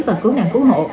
và cứu nạn cứu hộ